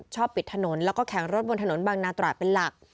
ปิดถนนแล้วก็แข่งรถบนถนนบางนาตราดเป็นหลัก